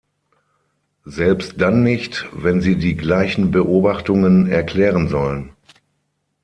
Selbst dann nicht, wenn sie die gleichen Beobachtungen erklären sollen.